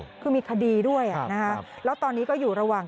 คือมีคดีด้วยนะคะแล้วตอนนี้ก็อยู่ระหว่าง